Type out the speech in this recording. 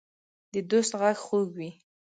د دوست غږ خوږ وي.